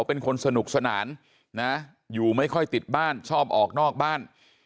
เป็นคนสนุกสนานนะอยู่ไม่ค่อยติดบ้านชอบออกนอกบ้าน